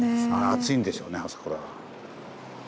熱いんでしょうねあそこらは。